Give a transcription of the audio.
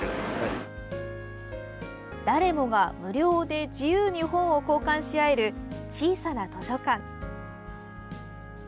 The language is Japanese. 誰もが無料で自由に本を交換し合える小さな図書館。